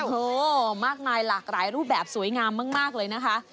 โอ้โหมากมายหลากหลายรูปแบบสวยงามมากเลยนะคะ